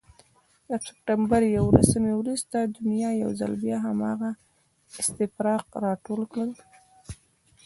له سپتمبر یوولسمې وروسته دنیا یو ځل بیا هماغه استفراق راټول کړ.